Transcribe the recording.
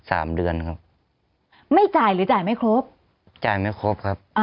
สามเดือนครับไม่จ่ายหรือจ่ายไม่ครบจ่ายไม่ครบครับอ่า